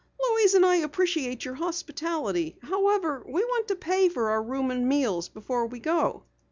"Louise and I appreciate your hospitality. However, we want to pay for our room and meals before we go."